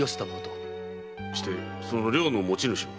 してその寮の持ち主は？